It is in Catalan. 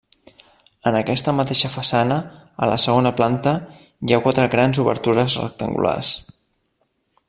En aquesta mateixa façana, a la segona planta, hi ha quatre grans obertures rectangulars.